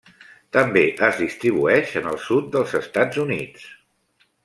També es distribueix en el sud dels Estats Units.